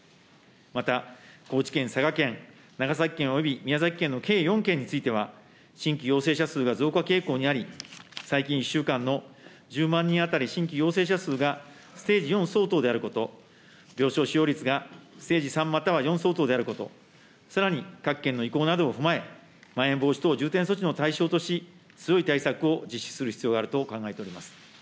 また高知県、佐賀県、長崎県および宮崎県の計４県については、新規陽性者数が増加傾向にあり、最近１週間の１０万人当たり新規陽性者数がステージ４相当であること、病床使用率がステージ３または４相当であること、さらに各県の意向などを踏まえ、まん延防止等重点措置の対象とし、強い対策を実施する必要があると考えております。